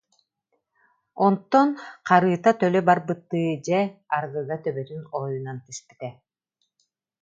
Онтон харыыта төлө барбыттыы, дьэ, арыгыга төбөтүн оройунан түспүтэ